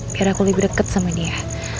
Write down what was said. biar aku lebih dekat sama dia